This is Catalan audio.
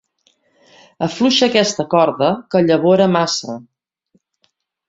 Afluixa aquesta corda, que llavora massa.